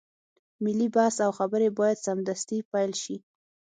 ملي بحث او خبرې بايد سمدستي پيل شي.